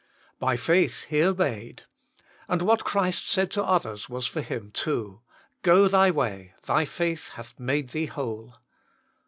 By faith he obeyed. And what Christ said to others was for him too " Go thy way ; thy faith hath made thee whole."